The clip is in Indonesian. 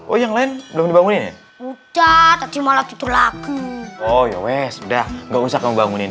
oh yang lain belum dibangunin udah tapi malah tidur lagi oh ya udah nggak usah kamu bangunin